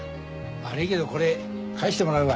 悪いけどこれ返してもらうわ。